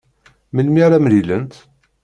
Melmi ara mlilent?